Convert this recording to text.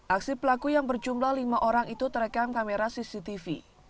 aksi pelaku yang berjumlah lima orang itu terekam kamera cctv